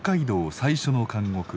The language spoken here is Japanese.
最初の監獄